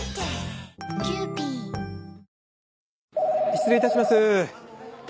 失礼いたします。